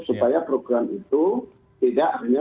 supaya program itu tidak hanya